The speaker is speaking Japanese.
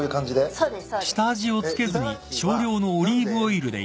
そうです。